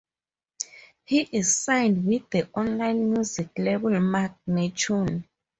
He is signed with the online music label Magnatune.